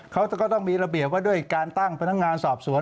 เขาก็ต้องมีระเบียบว่าด้วยการตั้งพนักงานสอบสวน